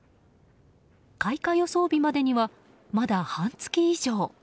開花予想日までにはまだ半月以上。